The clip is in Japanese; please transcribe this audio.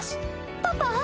パパ！